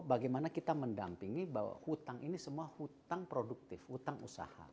bagaimana kita mendampingi bahwa hutang ini semua hutang produktif hutang usaha